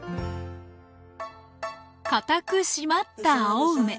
堅く締まった青梅。